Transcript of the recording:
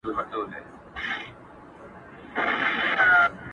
• د مالگینو سونډو اور ته؛ څو جلوې د افتاب دود سوې؛